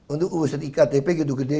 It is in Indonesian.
untuk usia iktp gitu gede